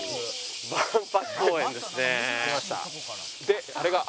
であれが。